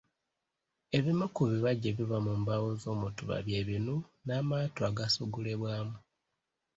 Ebimu ku bibajje ebiva mu mbaawo z'omutuba by'ebinu n'amaato agasogolebwamu.